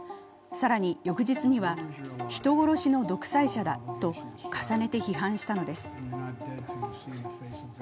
更に翌日には、人殺しの独裁者だと重ねて批判したのです。